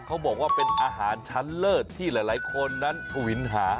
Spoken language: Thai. เขาบอกว่าเป็นอาหารชั้นเลิศที่หลายคนนั้นทวินหา